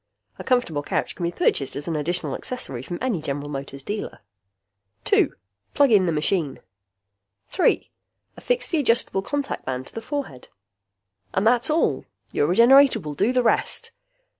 (A comfortable couch can be purchased as an additional accessory from any General Motors dealer.) 2. Plug in the machine. 3. Affix the adjustable contact band to the forehead. And that's all! Your Regenerator will do the rest!